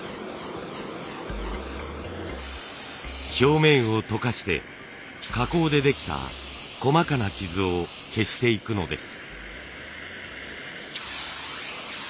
表面を溶かして加工でできた細かな傷を消していくのです。